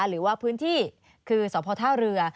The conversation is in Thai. หรือว่าพื้นที่คือสพท่าเรือ